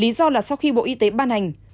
lý do là sau khi bộ y tế ban hành